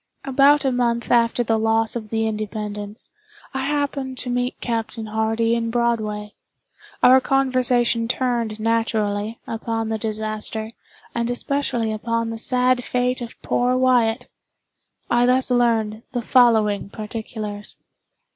About a month after the loss of the "Independence," I happened to meet Captain Hardy in Broadway. Our conversation turned, naturally, upon the disaster, and especially upon the sad fate of poor Wyatt. I thus learned the following particulars.